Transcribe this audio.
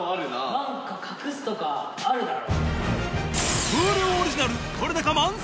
何か隠すとかあるだろ。